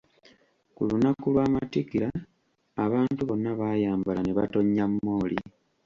Ku lunaku lw’amatikkira abantu bonna baayambala ne batonya mmooli.